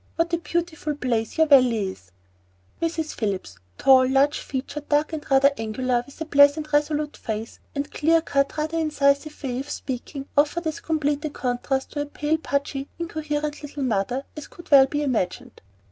What a beautiful place your valley is!" Mrs. Phillips, tall, large featured, dark and rather angular, with a pleasant, resolute face, and clear cut, rather incisive way of speaking, offered as complete a contrast to her pale, pudgy, incoherent little mother as could well be imagined.